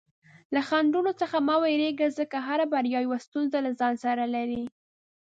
له خنډونو څخه مه ویریږه، ځکه هره بریا یوه ستونزه له ځان سره لري.